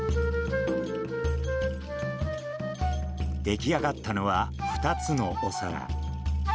出来上がったのは、２つのお皿。